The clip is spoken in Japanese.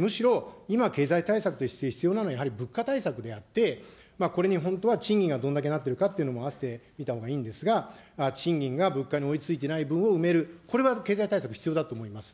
むしろ、今、経済対策として必要なのはやはり物価対策であって、これに本当は賃金がどんだけになっているのかということも見たほうがいいんですが、賃金が物価に追いついてない部分を埋める、これは経済対策必要だと思います。